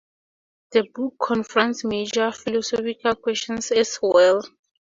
The book confronts major philosophical questions as well.